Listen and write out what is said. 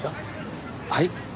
はい？